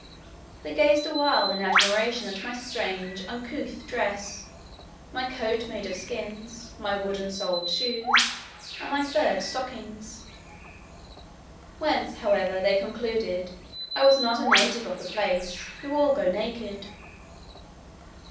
They gazed awhile in admiration at my strange uncouth dress; my coat made of skins, my wooden soled shoes, and my furred stockings; whence, however, they concluded, I was not a native of the place, who all go naked.